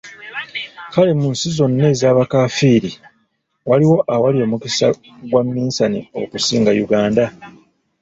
Kale mu nsi zonna ez'abakaafiiri, waliwo awali omukisa gwa minsani okusinga Uganda?